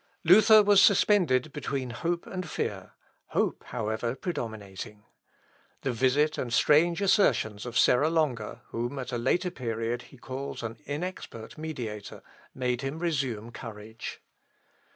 " Luther was suspended between hope and fear; hope, however, predominating. The visit and the strange assertions of Serra Longa, whom at a later period he calls an inexpert mediator, made him resume courage.